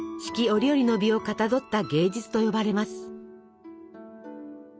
折々の美をかたどった芸術と呼ばれます。